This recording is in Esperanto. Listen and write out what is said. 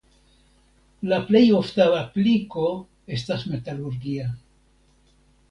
La plej ofta apliko estas metalurgia.